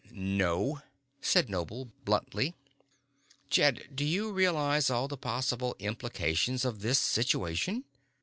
"No," said Noble bluntly. "Jed, do you realize all the possible implications of this situation?"